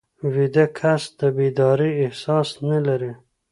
ویده کس د بیدارۍ احساس نه لري